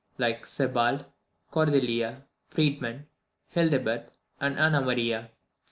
Sebald, Cordelia, Friedman, Hildebert, and Anna Maria.